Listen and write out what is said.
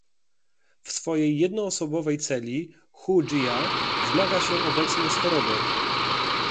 W swojej jednoosobowej celi Hu Jia zmaga się obecnie z chorobą